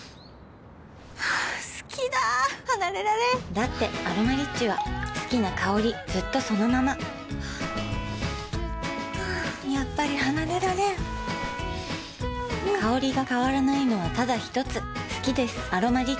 好きだ離れられんだって「アロマリッチ」は好きな香りずっとそのままやっぱり離れられん香りが変わらないのはただひとつ好きです「アロマリッチ」